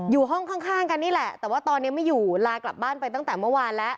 อยู่ห้องข้างกันนี่แหละแต่ว่าตอนนี้ไม่อยู่ลากลับบ้านไปตั้งแต่เมื่อวานแล้ว